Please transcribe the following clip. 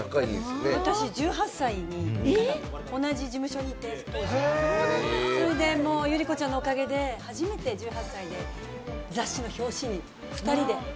私、１８歳から同じ事務所にいて、それで、ゆり子ちゃんのおかげで初めて１８歳で雑誌の表紙に２人で。